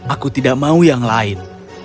aku tidak mau yang lain